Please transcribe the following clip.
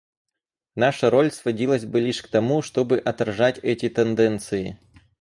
Наша роль сводилась бы лишь к тому, чтобы отражать эти тенденции.